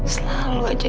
selalu aja dewi